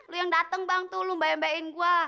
lo yang dateng bang tuh lo mba mbain gue